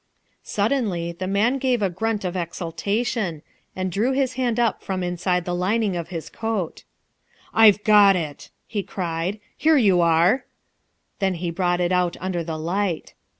Suddenly the man gave a grunt of exultation, and drew his hand up from inside the lining of his coat. "I've got it," he cried. "Here you are!" Then he brought it out under the light.